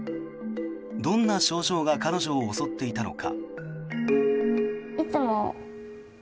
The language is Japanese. どんな症状が彼女を襲っていたのか。